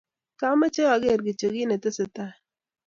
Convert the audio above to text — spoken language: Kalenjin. kyameche ageer kityo kiit netesetai